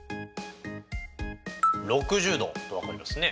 ６０°と分かりますね。